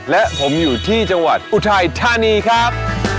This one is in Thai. และผมอยู่ที่จังหวัดอุทัยธานีครับ